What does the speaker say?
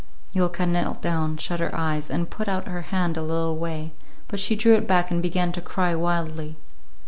Yulka knelt down, shut her eyes, and put out her hand a little way, but she drew it back and began to cry wildly.